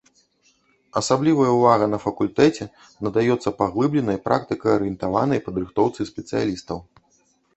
Асаблівая ўвага на факультэце надаецца паглыбленай практыка-арыентаванай падрыхтоўцы спецыялістаў.